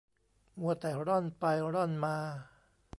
มัวแต่ร่อนไปร่อนมา